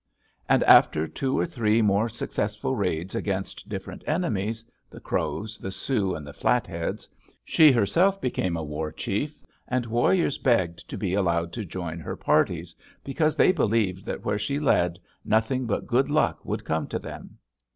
And after two or three more successful raids against different enemies, the Crows, the Sioux, and the Flatheads, she herself became a war chief, and warriors begged to be allowed to join her parties, because they believed that where she led nothing but good luck would come to them.